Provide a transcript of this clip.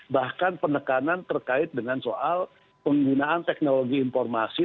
bahkan penekanan terkait dengan soal penggunaan teknologi informasi